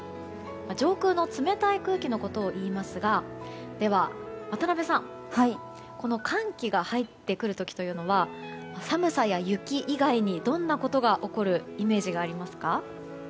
上空の冷たい空気のことをいいますがでは渡辺さん、寒気が入ってくる時というのは寒さや雪以外にどんなことが起こるイメージがありますか？